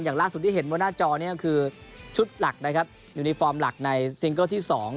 ล่าสุดที่เห็นบนหน้าจอนี้ก็คือชุดหลักนะครับยูนิฟอร์มหลักในซิงเกิลที่๒